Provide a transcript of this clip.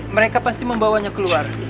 mereka pasti membawanya keluar